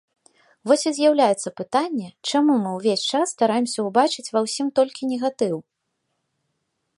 Вось і з'яўляецца пытанне, чаму мы ўвесь час стараемся ўбачыць ва ўсім толькі негатыў?